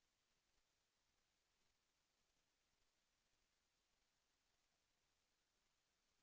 แสวได้ไงของเราก็เชียนนักอยู่ค่ะเป็นผู้ร่วมงานที่ดีมาก